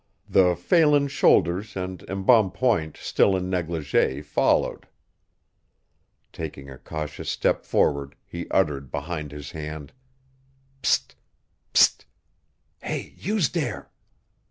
The Phelan shoulders and embonpoint, still in negligee, followed. Taking a cautious step forward he uttered behind his hand: "Pst! Pst! Hey, youse there!"